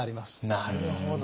なるほど。